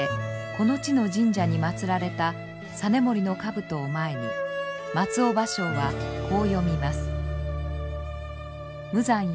この地の神社に祭られた実盛のかぶとを前に松尾芭蕉はこう詠みます。